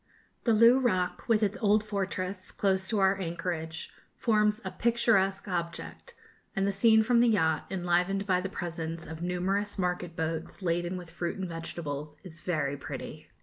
The Loo Rock, with its old fortress, close to our anchorage, forms a picturesque object; and the scene from the yacht, enlivened by the presence of numerous market boats, laden with fruit and vegetables, is very pretty.